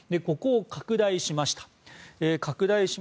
ここを拡大しました。